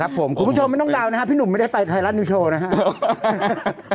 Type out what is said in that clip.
คุณผู้ชมไม่ต้องเดานะครับพี่หนุ่มไม่ได้ไปไทยรัฐนิวโชว์นะครับ